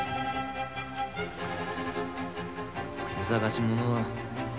お探し物は。